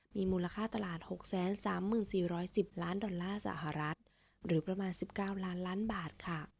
มีมูลค่าตลาด๖๓๔๑๐ล้านดอลลาร์สหรัฐหรือประมาณ๑๙ล้านล้านบาทค่ะ